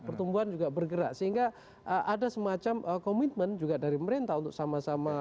pertumbuhan juga bergerak sehingga ada semacam komitmen juga dari pemerintah untuk sama sama